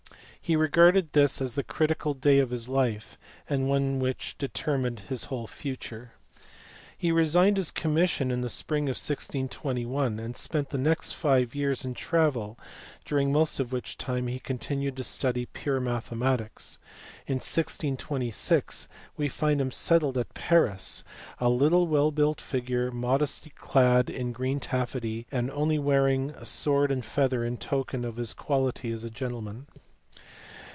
He regarded this as the critical day of his life, and one which determined his whole future. He resigned his commission in the spring of 1621, and spent the next five years in travel, during most of which time he continued to study pure mathematics. In 1626 we find him settled at Paris "a little well built figure, modestly clad in green taffety, and only wearing sword and feather in token of his quality as a gentleman."